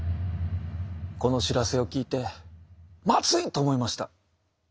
この知らせを聞いて「まずい！」と思いました。